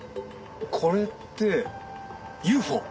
これってＵＦＯ？